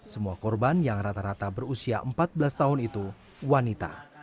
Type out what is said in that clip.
semua korban yang rata rata berusia empat belas tahun itu wanita